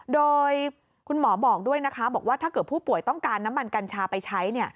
โดยคุณหมอบอกด้วยนะคะบอกว่าถ้าเกิดผู้ป่วยต้องการน้ำมันกัญชาไปใช้